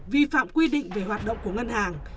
vi phạm quy định về hoạt động của ngân hàng